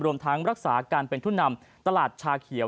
รวมทั้งรักษาการเป็นผู้นำตลาดชาเขียว